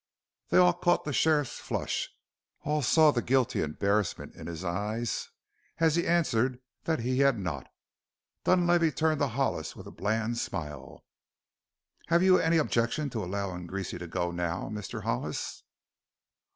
They all caught the sheriff's flush; all saw the guilty embarrassment in his eyes as he answered that he had not. Dunlavey turned to Hollis with a bland smile. "Have you any objection to allowing Greasy to go now, Mr. Hollis?"